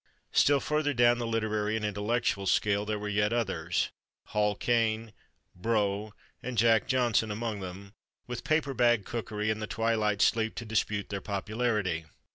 Still further down the literary and intellectual scale there were yet others: Hall Caine, Brieux and Jack Johnson among them, with paper bag cookery and the twilight sleep to dispute their popularity.